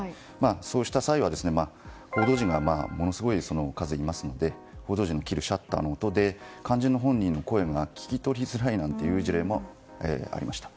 そうした際は、報道陣がものすごい数いますので報道陣の切るシャッターの音で肝心の本人の声が聞き取りづらいなんていう事例もありました。